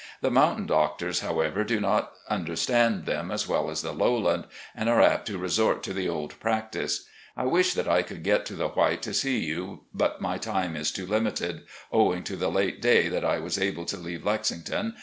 The mountain doctors, how ever, do not understand them as well as the lowland, and are apt to resort to the old practice. I wish that I could get to the White to see you, but my time is too limited, owing to the late day that I was able to leave Lexington.